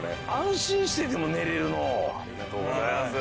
ありがとうございます。